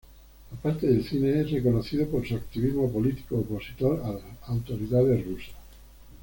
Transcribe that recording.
Aparte del cine, es reconocido por su activismo político opositor a las autoridades rusas.